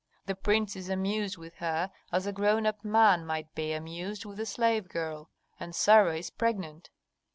The prince is amused with her as a grown up man might be amused with a slave girl. And Sarah is pregnant."